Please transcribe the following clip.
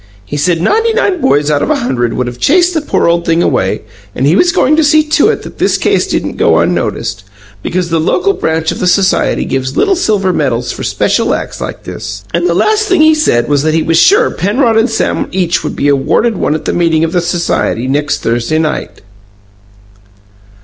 He said ninety nine boys out of a hundred would have chased the poor old thing away, and he was going to see to it that this case didn't go unnoticed, because the local branch of the society gives little silver medals for special acts like this. And the last thing he said was that he was sure Penrod and Sam each would be awarded one at the meeting of the society next Thursday night."